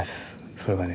それがね